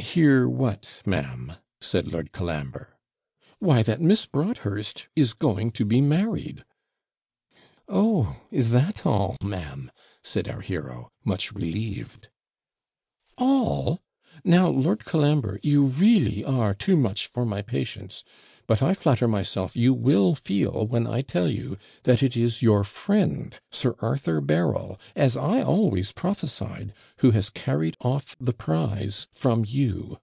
'Hear what, ma'am?' said Lord Colambre. 'Why, that Miss Broadhurst is going to be married.' 'Oh, is that all, ma'am!' said our hero, much relieved. 'All! Now, Lord Colambre, you REELLY are too much for my patience. But I flatter myself you will feel, when I tell you, that it is your friend, Sir Arthur Berryl, as I always prophesied, who has carried off the prize from you.'